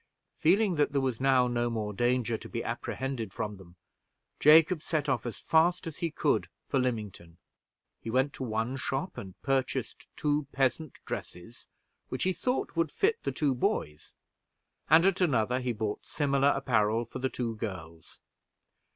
Feeling that there was now no more danger to be apprehended from them, Jacob set off as fast as he could for Lymington. He went to one shop and purchased two peasant dresses which he thought would fit the two boys, and at another he bought similar apparel for the two girls.